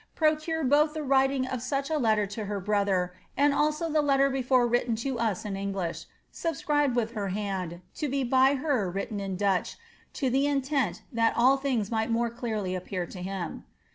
procure both the writing of sudi a letter (o her brother, and id»o the letter before written to us in Engli^ih, subscribed with her hand) to br by hor written in Dutch, to the intent that all things might mora flmrly nppear lo him."